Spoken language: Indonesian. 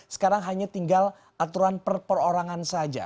sekarang hanya tinggal aturan perperorangan saja